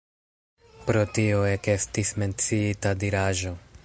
Pro tio ekestis menciita diraĵo.